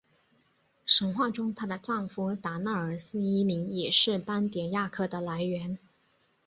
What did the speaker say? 神话中她的丈夫达那俄斯一名也是斑蝶亚科的来源。